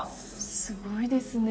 すごいですね。